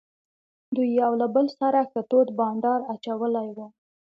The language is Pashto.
دوی یو له بل سره ښه تود بانډار اچولی وو.